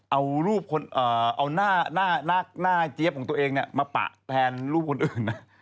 เอาหน้าเจี๊ยบของตัวเองมาปะแทนรูปคนอื่นนะ